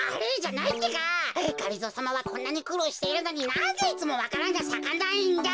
がりぞーさまはこんなにくろうしているのになぜいつもわか蘭がさかないんだ。